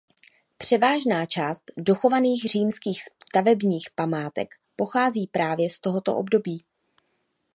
Převážná část dochovaných římských stavebních památek pochází právě z tohoto období.